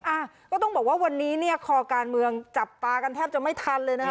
อ่ะก็ต้องบอกว่าวันนี้เนี่ยคอการเมืองจับตากันแทบจะไม่ทันเลยนะคะ